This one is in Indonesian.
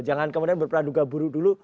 jangan kemudian berpaduga buru dulu